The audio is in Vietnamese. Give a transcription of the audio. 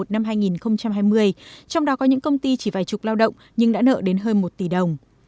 năm hai nghìn hai mươi trong đó có những công ty chỉ vài chục lao động nhưng đã nợ đến hơn một tỷ đồng